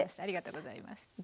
ありがとうございます。